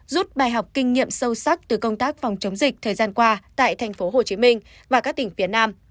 rút bài học kinh nghiệm sâu sắc từ công tác phòng chống dịch thời gian qua tại tp hcm và các tỉnh phía nam